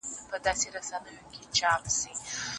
شپه ده د بوډیو په سینګار اعتبار مه کوه